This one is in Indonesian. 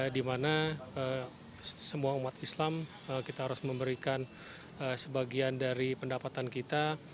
dimana semua umat islam kita harus memberikan sebagian dari pendapatan kita